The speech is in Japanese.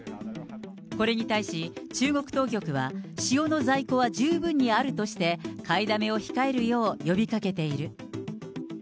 これに対し、中国当局は塩の在庫は十分にあるとして、買いだめを控えるよう呼びかけている。